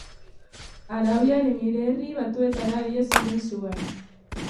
Arabiar Emirerri Batuetara ihes egin zuen.